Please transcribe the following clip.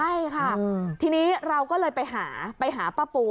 ใช่ค่ะทีนี้เราก็เลยไปหาไปหาป้าปู